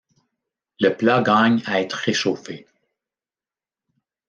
Le plat gagne à être réchauffé.